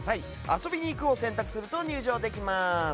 遊びにいくを選択すると入場できます。